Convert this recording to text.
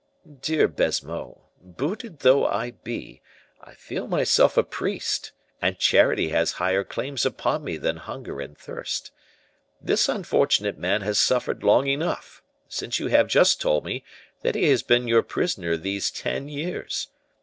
"Dear Baisemeaux, booted though I be, I feel myself a priest, and charity has higher claims upon me than hunger and thirst. This unfortunate man has suffered long enough, since you have just told me that he has been your prisoner these ten years.